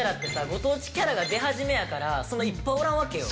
ご当地キャラが出始めやからそんないっぱいおらんわけよ。